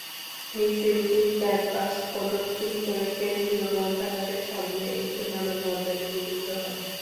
মিছিলটি ক্যাম্পাস প্রদক্ষিণ করে কেন্দ্রীয় গ্রন্থাগারের সামনে এসে মানববন্ধনে মিলিত হয়।